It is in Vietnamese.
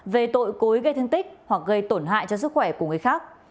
về tội cối gây thương tích hoặc gây tổn hại cho sức khỏe của người khác